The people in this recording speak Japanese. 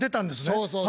そうそう。